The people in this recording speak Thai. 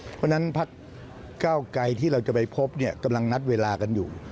เพราะฉะนั้นพักเก้าไกรที่เราจะไปพบเนี่ยกำลังนัดเวลากันอยู่